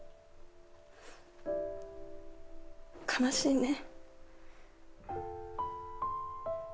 悲しいね。